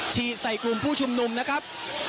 ฉีดใส่กลุ่มผู้ชุมนุมนะครับ